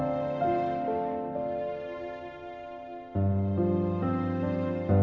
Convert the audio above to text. masa itu udah berakhir